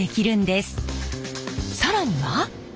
更には。